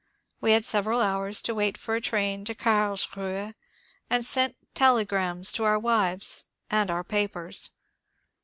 We had sev eral hours to wait for a train to Carlsruhe, and sent telegrams to our wives and our papers.